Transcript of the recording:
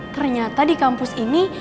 ternyata di kampus ini